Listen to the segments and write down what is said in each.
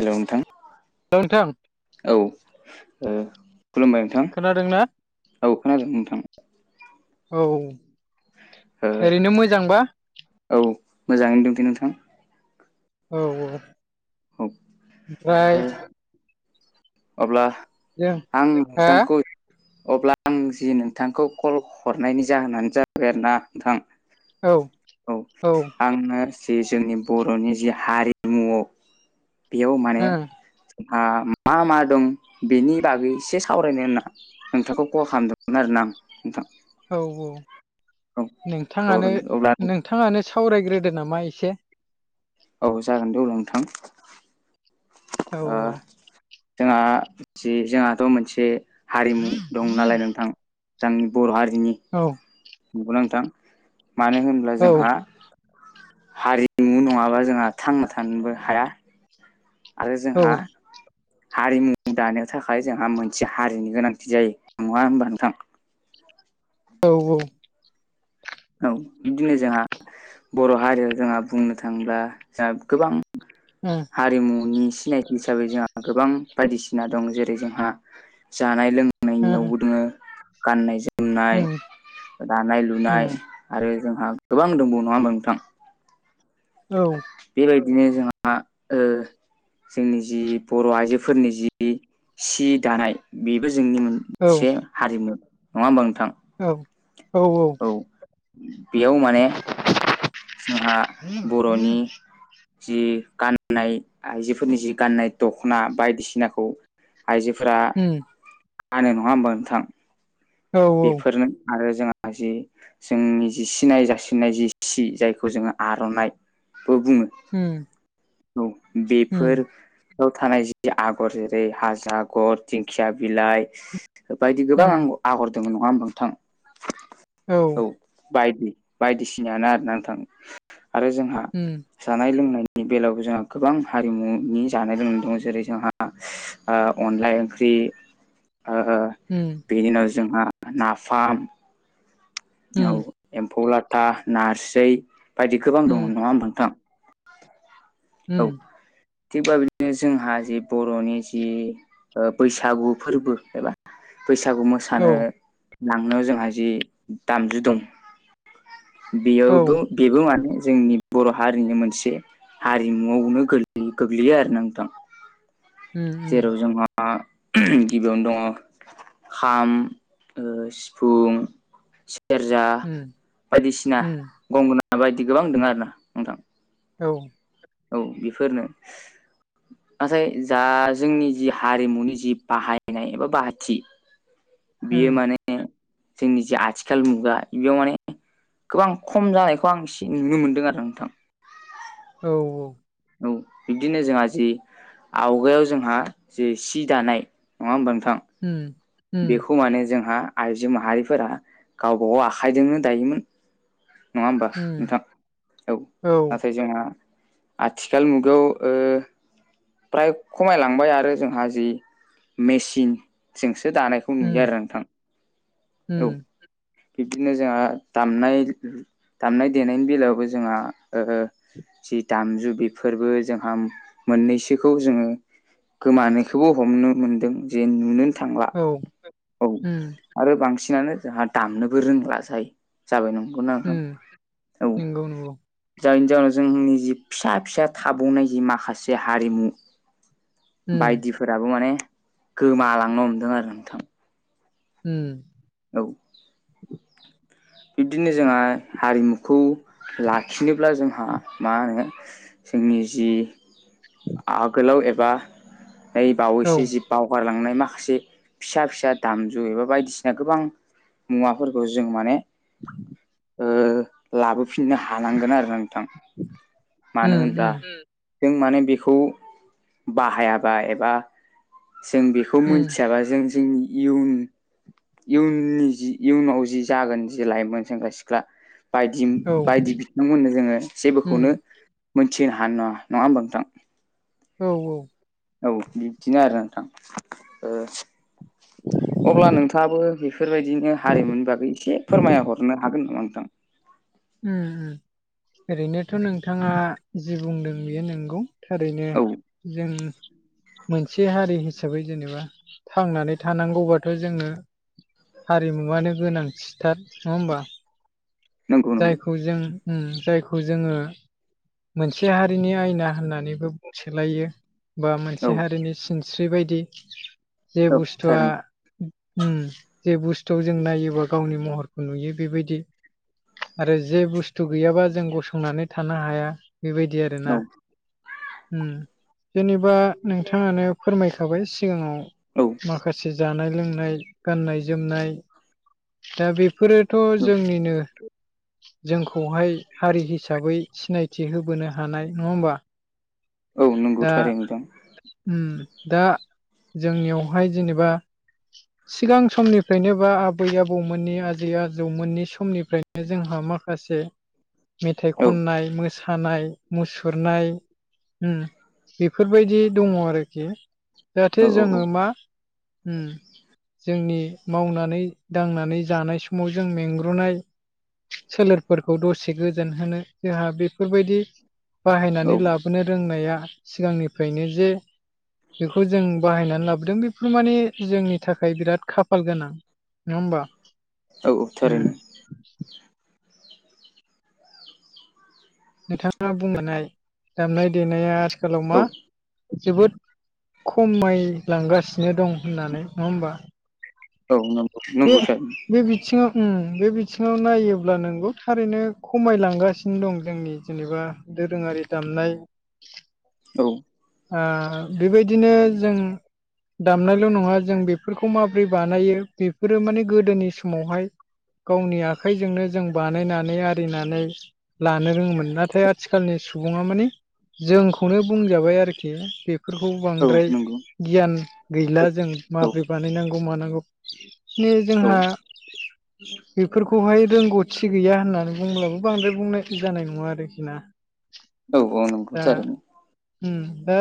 हेल' नोंथां। औ नोंथां। औ खुलुमबाय। नोंथां खोनादों ना औ खोनादों नोंथां औ। ओ ओरैनो मोजांबा। औ मोजाङैनो दंथै नोंथां। औ-औ औ ओमफ्राय। ओ अब्ला जों आं हा नोंथांखौ अब्ला आं जि नोंथांखौ कल हरनायनि जाहोनानो जाबाय आरो ना नोंथां। औ औ आङो जि जोंनि बर'नि जि हारिमु बेयाव माने औ मा-मा-मा दं बेनि बागै एसे सावरायनो होनना नोंथांखौ कल खालामदोंमोन आरोना आं नोंथां। औ-औ औ नोंथाङानो अ अब्ला नोंथाङानो सावरायग्रोदो नामा एसे औ जागोन दे अब्ला नोंथां। औ जोंहा जि जोंहाथ' मोनसे हारिमु दं नालाय नोंथां जोंनि बर' हारिनि औ। नंगौना नोंथां मानो होनब्ला औ जोंहा हारिमु नङाबा जोंहा थांना थानोबो हाया। आरो जोंहा हारिमु दानो थाखाय जोंहा मोनसे हारिनि गोनांथि जायो नङा होमबा नोंथां? औ-औ। औ बिदिनो जोंहा। बर' हारियाव जोंहा बुंनो थाङोब्ला जोंहा गोबां उम। आरिमुनि सिनायथि हिसाबै जोंहा गोबां बायदिसिना दं जेरै- जोंहा जानाय लों ओ नायनियावबो दोङो गाननाय-जोमनाय, उम उम दानाय-लुनाय। आरो जोंहा गोबां दंबावो नङा होमबा नोंथां? औ। बेबायदिनो जोंहा ओ जोंनि जि बर' आइजोफोरनि जि सि दानाय बेबो जोंनि मोन औ मोनसे हारिमु नङा होमबा नोंथां? औ-औ-औ। औ बेयाव माने जोंहा उम बर'नि जि गाननाय आइजोफोरनि जि गाननाय दख'ना बायदिसिनाखौ। आइजोफोरा फानो नङा होमबा नोंथां? औ बेफोरनो आरो जोंहा ना जि जोंनि जि सिनाय जासिनाय जि सि जायखौ जोङो आर'नाइ। बो बुङो। उम। औ बेफोर उम याव थानाय जि आगर जेरै- हाजो आगर दिंखिया बिलाइ। बायदि गोबां उम आं-आगर दङ नङा होमबा नोंथां? औ। औ बायदि बायदिसिनायानो आरोना थाङो आरो जोंहा उम। जानाय लोंनायनि बेलायावबो जोंहा गोबां हारिमुनि जानाय लोंनाय दङ जेरै- जोंहा ओ अनला ओंख्रि ओ उम। बेनि उनाव जोंहा नाफाम। उम औ एम्फौ लाथा नारसै बायदि गोबां दङ नङा होमबा नोंथां? औ। उम थिगबा बिदिनो जोंहा जि बर'नि जि ओ बैसागु फोर्बो एबा बैसागु औ मोसानो लांनो जोंहा जि दामजु दं। औ बेयावबो बेबो माने जोंनि बर' हारिनि मोनसे हारिमुआवनो गोलोयो गोग्लैयो आरो ना नोंथां उम उम जेराव जोंहा आ गिबियावनो दङ खाम, सिफुं सेरजा उम बायदिसिना उम गंगोना बायदि गोबां दं आरो ना नोंथां औ। औ बेफोरनो नाथाय जा जोंनि जि हारिमुनि जि बाहायनाय एबा बाहाथि बेयो उम माने जोंनि जा आथिखाल मुगा बेयाव माने गोबां खम जानायखौ आं एसे नुनो मोनदों आरो नोंथां। औ-औ। औ बिदिनो जोंहा जि आवगायाव जोंहा जे सि दानाय नङा होमबा नोंथां? उम। उम बेखौ माने जोंहा आइजो माहारिफोरा गावबागाव आखाइजोंनो दायोमोन। नङा होमबा उम नोंथां औ नाथाय जोंहा आथिखाल मुगायाव ओ फ्राय खमायलांबाय आरो जोंहा जि मेसिन थिं दानायखौ नुयो उम आरो नोंथां ।औ उम बिब्दिनो जोंहा दामनाय दामनाय देनायनि बेलायावबो जोंहा ओ जि दामजु बेफोरबो जोंहा मोननैसोखौ जोङो गोमानायखौबो हमनो मोनदों जे नुनो थांला औ औ उम आरो बांसिनानो जोंहा दामनोबो रोंला जाय जाबाय नंगौना नोंथां उम औ। नंगौ नंगौ जायनि जााहनाव जोंनि जि फिसा फिसा थाबावनाय जि माखासे हारिमु उम बायदिफोराबो माने गोमालांनो हमदों आरो नोंथां। हम। औ। बिब्दिनो जोंहा हारिमुखौ लाखिनोब्ला जोंहा मा होनो जोंनि जि आगोलाव एबा नैइ औ बावैसो जि बावगारलांनाय माखासे फिसा फिसा दामजु एबा बायदिसिना गोबां मुवाफोरखौ जों माने [inaudible] ओ लाबोफिननो हानांगोन आरो नोंथां मानो होनब्ला उम जों माने बेखौ बाहायाबा एबा जों बेखौ उम मिथियाबा जों जोंनि इयुन इयुननि जि इयुनाव जि जागोन जि लाइमोन सेंग्रा सिख्ला बायदि औ बायदि बिथांमोननो जोङो उम जेबोखौनो मोनथिहोनो हानाय नङा नङा होमबा नोंथां? औ औ। औ बिब्दिनो आरो नोंथां ओ अब्ला नोंथाङाबो बेफोर बेफोरबायदिनो हारिमुनि बागै एसे फोरमायहरनो हागोन नामा नोंथां? उम उम ओरैनोथ' नोंथाङा जि बुंदों बेयो नंगौ‌। थारैनो औ जों मोनसे हारि हिसाबै जेनेबा थांनानै थानांगौबाथ' जोङो हारिमुआानो गोनांथिथार नङा होमबा। नंगौ नंगौ जायखौ जों जायखौ जोङो मोनसे हारिनि आयना होननानैबो बुंसोलायो बा औ मोनसे हारिनि सिनस्रि बायदि जे औ बुस्थुआ थारैनो उम जे बुस्थु जों नायोबा गावनि महरखौ नुयो बेबायदि। आरो जे बुस्थु गैयाबा जों गसंनानै थानो हाया बेबायदि औ आरोना उम जेनेबा नोंथाङानो फोरमायखाबाय सिगाङाव औ माखासे जानाय लोंनाय गाननाय जोमनाय दा बेफोरोथ' औ जोंनिनो जोंखौहाय हारि हिसाबै सिनायथि होबोनो हानाय नङा होमबा औ दा नंगौथारै नोंथां उम दा जोंनियावहाय जेनेबा सिगां समनिफ्रायनो बा आबै आबौमोननि आजै आजौमोननि समनिफ्रायनो जोंहा माखासे मेथाइ औ खननाय मो खानाय मुसुरनाय उम बेफोरबायदि दङ आरोखि जाहाथे औ औ जोङो मा जोंनि मावनानै दांनानै जानाय समाव जों मेंग्रुनाय सोलेरफोरखौ दसे गोजोन होनो जोंहा बेफोरबायदि औ बाहायनानै लाब बेखौनो रोंनाया सिगांनिफ्रायनो जे बेखौ जों बाहायनानै लाबोदों बेफोर माने जोंनि थाखाय बिराद खाफाल गोनां नङाबा औ औ थारैनो नोंथाङा बुंबनाय दामनाय देनाया आथिखालाव मा औ जोबोद खमायलांगासिनो दं होननानै नङा होमबा औ नंगौ बे नंगौथार बे बिथिङाव बे बिथिङाव नायोब्ला नोंगौ थारैनो खमायलांगासिनो दं जोंनि जेनेबा दोरोङारि दामनाय औ ओ बेबायदिनो जों दामनायल' नङा जों बेफोरखौ माबोरै बानायो बेफोरो माने गोदोनि समावहाय गावनि आखाइजोंनो जों बानायनानै आरिनानै लानो रोङोमोन नाथाय आथिखालनि सुबुङा माने जोंखौनो बुंजाबाय आरोखि खे बेफोरखौ औ बांद्राय नंगौ गियान गैला जों औ माबोरै बानायनांगौ मानांगौ बे औ जोंहा बेफोरखौहाय रोंगौथि गैया होननानै बुंब्लाबो बांद्राय बुंनाय जानाय नङा आरोखि ना औ औन दा उम दा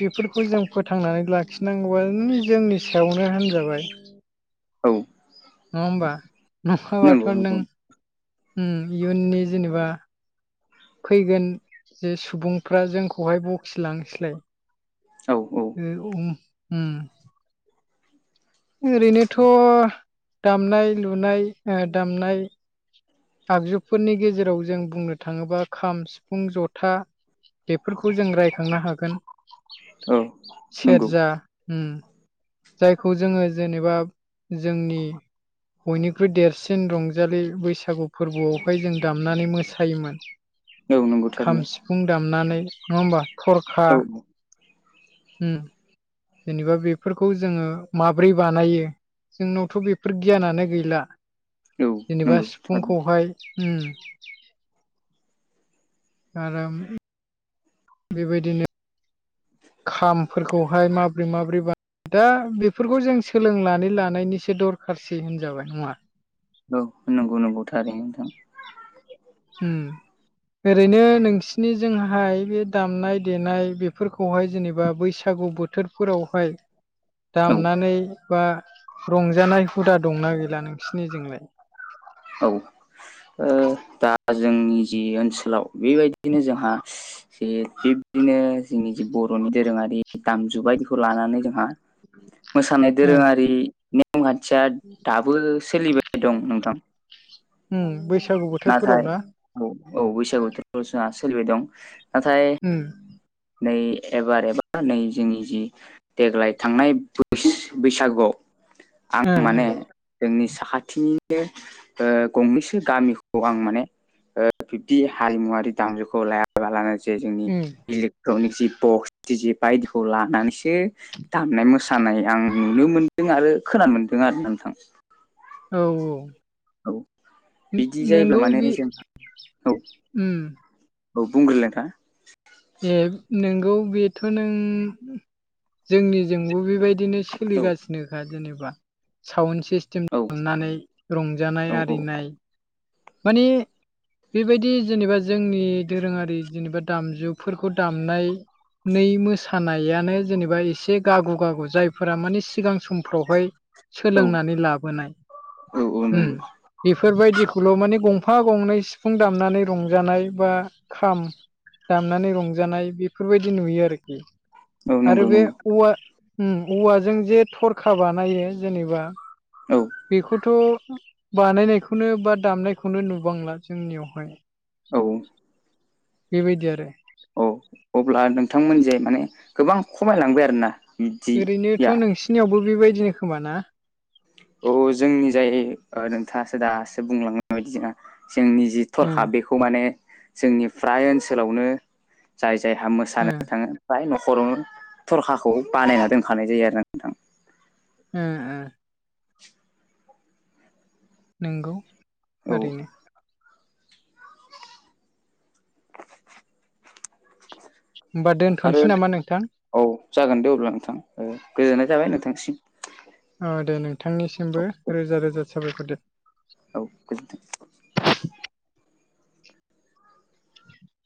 बेफोरखौ जों फोथांनानै लाखिनांगौआनो जोंनि सायावनो होनजाबाय औ नङा होमबा नंगौ नङाबाथ' नों नंगौ उम इयुननि जेनेबा फैगोन जे सुबुंफ्रा जोंखौहाय बखिलांसैलाय औ औ बे [unintelligible] ओरैनोथ' दामनाय लुनाय ओ दामनाय आगजुफोरनि गेजेराव जों बुंनो थाङोब्ला खाम सिफुं जथा बेफोरखौ जों रायखांनो हागोन औ नंगौ सेरजा उम जायखौ जोङो जेनेबा जोंनि बयनिख्रुइ देरसिन रंजालि बैसागु फोरबोआवहाय जों दामनानै मोसायोमोन औ नंगौ खाम थारैनो सिफुं दामनानै नङा होमबा थरखा औ उम जेनेबा बेफोरखौ जोङो माब्रै बानायो जोंनावथ' बेफोर गियानानो गैला औ जेनेबा नंगौ थारैनो सिफुंखौहाय उम- खाराम [unintelligible] बेबायदिनो खामफोरखौहाय माबोरै माबोरै दा बेफोरखौ जों सोलोंनानै लानायनिसो दरखारसै होनजाबाय नङा औ- नंगौ नंगौ थारै नोंथां हम- ओरैनो नोंसिनिजोंहाय बे दामनाय देनाय बेफोरखौहाय जेनेबा बैसागु बोथोरफोरावहाय [unintelligible] दामनानै बा रंजानाय हुदा दंना गैला नोंसिनि जोंलाय औ- ओ- दा जोंनि जि ओनसोलाव बेबायदिनो जोंहा जे थि बिदिनो जोंनि जे बर'नि दोरोङारि दामजु बायदिखौ लानानै जोंहा मोसानाय ओ दोरोङारि नेम खान्थिया दाबो सोलिबाय दं नोंथां उम- बैसागु नाथाय बोथोरफोराव ना? औ- औ- बैसागु बोथोराव जोंहा सोलिबाय दं नाथाय उम- नै एबार एबा नै जोंनि जि देग्लाय थांनाय ब [unintelligible] बैसागुआव आं ओ ओ माने जोंनि साखाथिनिनो ओ- गंनैसो गामिखौ आं माने ओ- बिब्दि हारिमुवरारि दामजुखौ लाया ा [unintelligible] गा लानानै जे जोंनि उम इलेक्ट्रनिक जि बक्स ज बायदिखौ लानानैसो दामनाय मोसानाय आं नुनो मोन्दों आरो खोनानो मोनदों आरो नोंथां औ- औ औ बिदि जायोब्ला नोंगौ माने बे- जों औ उम- औ- बुंग्रोलाय नोंथां ए नोंगौ बेथ' नों जोंनिजोंबो बेबायदि बिदिनो औ सोलिगासिनोखा जेनेबा साउ सिस [unintelligible] [unintelligible] म औ थांनानै रंजानाय आरिनाय माने बेबायदि जेनेबा जोंनि दोरोङारि जेनेबा दामजुफोरखौ दामनाय नै मोसानायानो जेनेबा एसे गागु गागु जायफोरा माने सिगां सम हाय औ सोलोंनानै लाबोनाय औ औ नंगौ बेफोरबायदिखौ स्कुलाव माने गंफा गंनै सिफुं दामनानै रंजानाय बा खाम दामनानै रंजानाय बेफोरबायदि नुयो आरोखि औ आरो नंगौ बे नंगौ औवा उम- औवाजों जे थरखा बानायो जेनेबा औ बेखौथ' बानायनायखौनो बा दामनायखौनो नुबांला जोंनियावहाय औ- बेबायदि आरो औ- अब्ला नोंथांमोन जे माने गोबां खमायलांबाय आरोना ओरैनोथ' बिदिया नोंसिनियावबो बेबायदिनो खोमा ना औ- जोंनि जाय ओ- नोंथाङासो दासो बुंलांनाय बायदि जोंहा जोंनि जि ओ थरखा बे खौ माने जोंनि फ्राय ओनसोलावनो जाय जायहा ओ मोसानो थाङो ओमफ्राय न'खरावनो थरखाखौ बानायना दोनखानाय जायो आरो नोंथां ओ- ओ नंगौ औ ओरैनो होमबा आरो दोनथ'नोसै नामा नोंथां औ जागोन दे अब्ला नोंथां ओ गोजोननाय थाबाय नोंथांसिम। अ दे नोंथांनिसिमबो औ रोजा रोजा साबायखर दे। औ गोजोनथों। [inaudible]